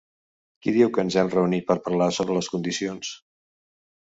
Qui diu que ens hem reunit per parlar sobre les condicions?